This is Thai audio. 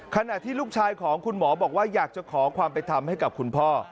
ขณะที่ลูกชายของคุณหมอบอกว่าอยากจะขอความเป็นธรรมให้กับคุณพ่อ